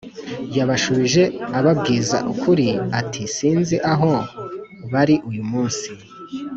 Yabashubije ababwiza ukuri ati sinzi aho bari uyu munsi